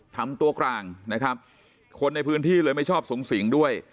ทำตัวกลางนะครับคนในพื้นที่เลยไม่ชอบสูงสิงด้วย